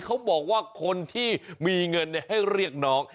เขาบอกว่าคนที่มีเงินให้เรียกน้อง